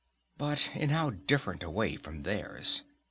But in how different a way from theirs!